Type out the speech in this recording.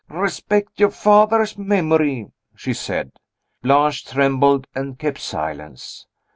"Respect your father's memory!" she said. Blanche trembled and kept silence.